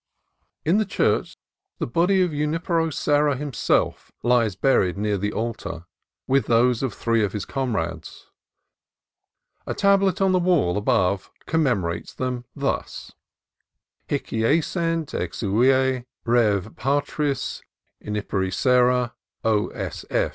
In the church the body of Junipero Serra himself lies buried near the altar, with those of three of his comrades. A tablet on the wall above commemorates them thus: — Hie jacent exuviae Ad in. Rev. Patris Juniperi Serra O.